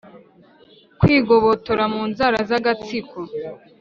kwigobotora mu nzara z' agatsiko